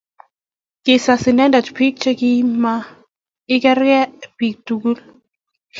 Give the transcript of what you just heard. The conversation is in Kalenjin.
kisas inendet biik che kima ikerkei biik tugul